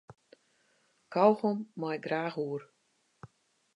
Kaugom mei ik graach oer.